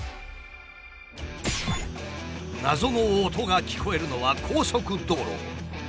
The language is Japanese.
謎の音が聞こえるのは高速道路。